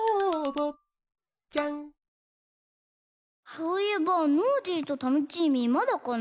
そういえばノージーとタノチーミーまだかな？